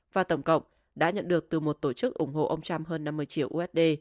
và tổng cộng đã nhận được từ một tổ chức ủng hộ ông trump hơn năm mươi triệu usd